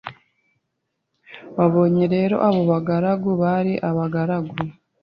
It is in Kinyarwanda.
Wabonye rero abo bagaragu bari abagaragu